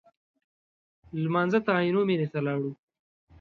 لمانځه ته عینومېنې ته ولاړو.